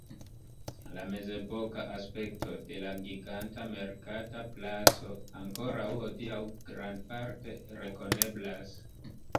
La mezepoka aspekto de la giganta merkata placo ankoraŭ hodiaŭ grandparte rekoneblas.